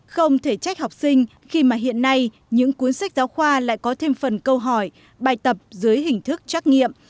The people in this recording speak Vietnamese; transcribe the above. không thể trách học sinh khi mà hiện nay những cuốn sách giáo khoa lại có thêm phần câu hỏi bài tập dưới hình thức trắc nghiệm